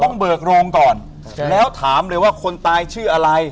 เบิกโรงก่อนแล้วถามเลยว่าคนตายชื่ออะไร